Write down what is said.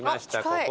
ここ。